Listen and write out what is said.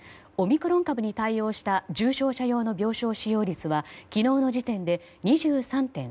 オミクロン株に対応した重症者用の病床使用率は昨日の時点で２３．３％。